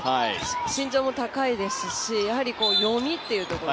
身長も高いですしやはり、読みっていうところ。